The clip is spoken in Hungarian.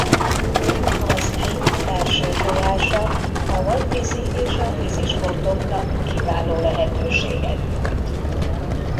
Az Inn felső folyása a vadvízi és a vízi sportoknak kiváló lehetőséget nyújt.